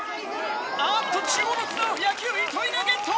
あっと中央の綱を野球糸井がゲット！